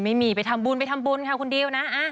ไม่มีไปทำบุญค่ะคุณดิวนะ